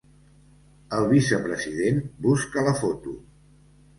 El vicepresident busca la foto!